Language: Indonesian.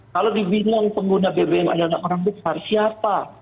kalau dibilang pengguna bbm adalah orang besar siapa